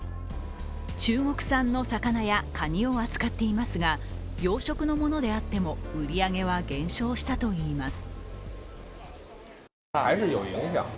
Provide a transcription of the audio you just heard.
中国産の魚やかにを扱っていますが養殖のものであっても売り上げは減少したといいます。